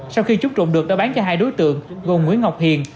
sau khi chút trộm được đã bán cho hai đối tượng gồm nguyễn ngọc hiền